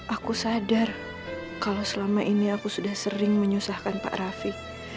aku sadar kalau selama ini aku sudah sering menyusahkan pak rafi